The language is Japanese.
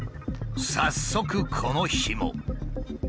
早速この日も。